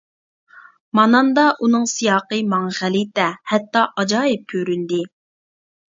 ماناندا ئۇنىڭ سىياقى ماڭا غەلىتە، ھەتتا ئاجايىپ كۆرۈندى.